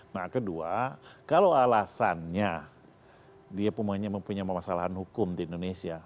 nah kedua kalau alasannya dia mempunyai permasalahan hukum di indonesia